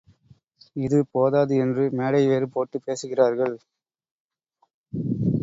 இது போதாது என்று மேடை வேறு போட்டுப் பேசுகிறார்கள்.